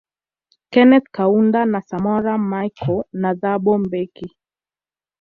Keneth Kaunda na Samora Michael na Thabo mbeki